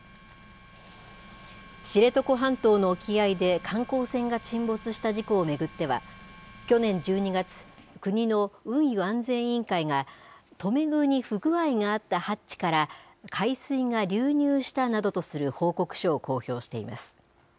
知床半島の沖合で観光船が沈没した事故を巡っては、去年１２月、国の運輸安全委員会が、留め具に不具合があったハッチから海水が流入したなどとする報告書を公表しています。